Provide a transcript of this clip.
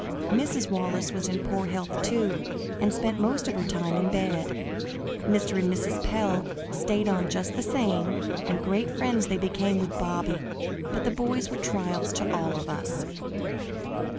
Mrs. Wallace was in poor health, too, and spent most of her time in bed. Mr. and Mrs. Pell stayed on just the same, and great friends they became with Bobby, but the boys were trials to all of us.